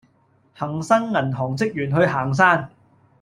恆生銀行職員去行山